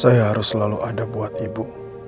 saya harus selalu ada buat ibu